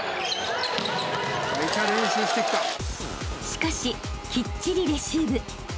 ［しかしきっちりレシーブ］